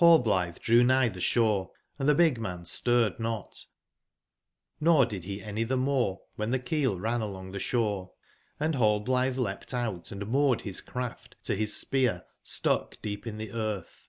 ^HLLBH^RGdrew nigh the shore, andthe big man stirred not; nor did he any themore dlwhen the keel ran along the shore, and Rail blithe leapt out and moored his craft to his spear stuck deep in the earth.